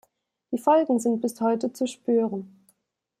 Die Folgen sind bis heute zu spüren.